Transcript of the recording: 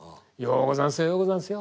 「ようござんすよ